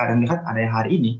dan mendekat adanya hari ini